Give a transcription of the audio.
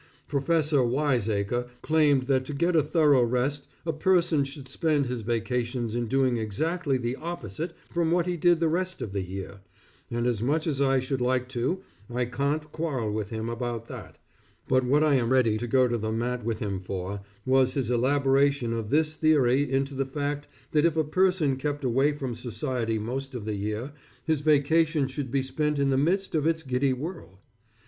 Professor Wiseacre claimed that to get a thorough rest a person should spend his vacations in doing exactly the opposite from what he did the rest of the year, and as much as I should like to I can't quarrel with him about that, but what I am ready to go to the mat with him for, was his elaboration of this theory into the fact that if a person kept away from society most of the year, his vacation should be spent in the midst of its giddy whirl.